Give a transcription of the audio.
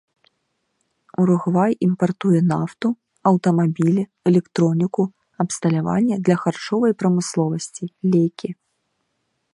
Уругвай імпартуе нафту, аўтамабілі, электроніку, абсталяванне для харчовай прамысловасці, лекі.